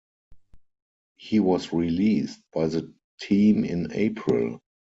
He was released by the team in April.